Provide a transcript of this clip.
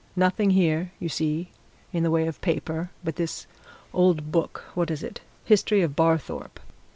Nothing here, you see, in the way of paper but this old book what is it History of Barthorpe."